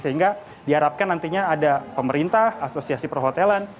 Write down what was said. sehingga diharapkan nantinya ada pemerintah asosiasi perhotelan